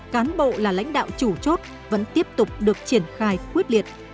cán bộ là lãnh đạo chủ chốt vẫn tiếp tục được triển khai quyết liệt